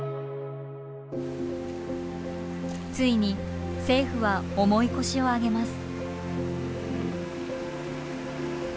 ついに政府は重い腰を上げます。